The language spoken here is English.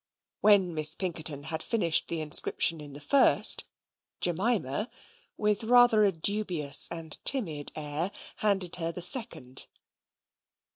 When Miss Pinkerton had finished the inscription in the first, Jemima, with rather a dubious and timid air, handed her the second.